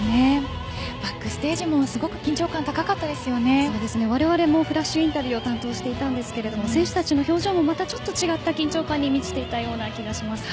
バックステージもすごく我々もフラッシュインタビューを担当していたんですが選手たちの表情もまたちょっと違った緊張感に見えていた気がします。